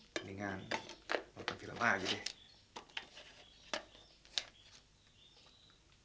mendingan nonton film lagi deh